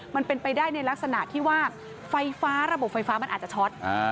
มันเป็นไปได้ในลักษณะที่ว่าไฟฟ้าระบบไฟฟ้ามันอาจจะช็อต